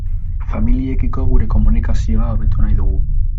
Familiekiko gure komunikazio hobetu nahi dugu.